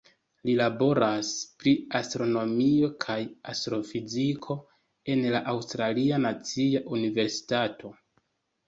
Li laboras pri astronomio kaj astrofiziko en la Aŭstralia Nacia Universitato.